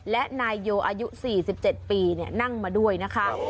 และนายโยอายุสี่สิบเจ็ดปีเนี่ยนั่งมาด้วยนะคะครับ